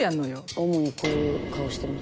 主にこういう顔してます。